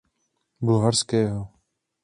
Bulharského.